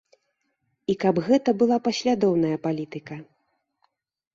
І каб гэта была паслядоўная палітыка.